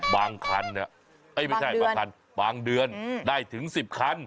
บางคันไม่ใช่บางคันบางเดือนได้ถึง๑๐คัน